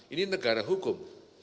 ini negara hukum